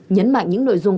nhấn mạnh những nội dung